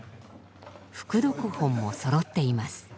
副読本もそろっています。